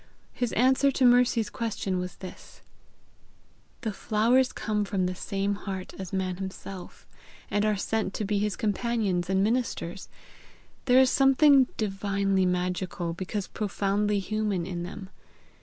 His answer to Mercy's question was this: "The flowers come from the same heart as man himself, and are sent to be his companions and ministers. There is something divinely magical, because profoundly human in them.